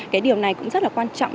cái điều này cũng rất là quan trọng